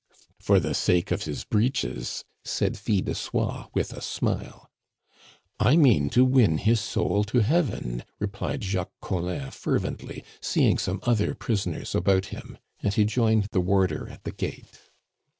"For the sake of his breeches!" said Fil de Soie with a smile. "I mean to win his soul to heaven!" replied Jacques Collin fervently, seeing some other prisoners about him. And he joined the warder at the gate.